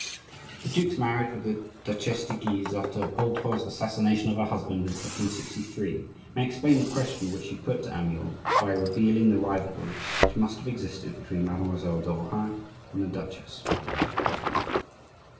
The duke's marriage with the Duchesse de Guise after Poltrot's assassination of her husband in 1563, may explain the question which she put to Amyot, by revealing the rivalry which must have existed between Mademoiselle de Rohan and the duchess.